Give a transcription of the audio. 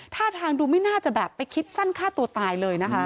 ท่าทางดูไม่น่าจะแบบไปคิดสั้นฆ่าตัวตายเลยนะคะ